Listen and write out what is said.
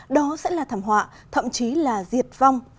đó sẽ là thảm họa thậm chí là diệt vong